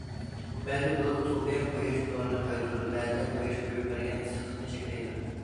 بەزى بۇلۇت توپى قۇياش نۇرىنى قايتۇرىدۇ، بەزىلىرى قۇياش قويۇپ بەرگەن ئىسسىقلىقنى چەكلەيدۇ.